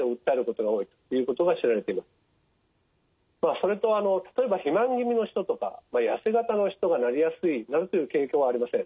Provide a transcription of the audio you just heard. それと例えば肥満気味の人とかやせ型の人がなりやすいなどという傾向はありません。